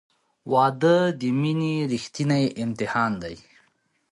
• واده د مینې ریښتینی امتحان دی.